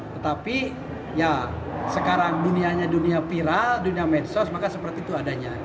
tetapi ya sekarang dunianya dunia viral dunia medsos maka seperti itu adanya